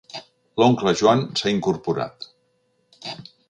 L'oncle Joan s'ha incorporat.